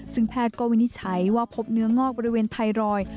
ซึ่งแพทย์ก็วินิจฉัยว่าพบเนื้องอกบริเวณไทรอยด์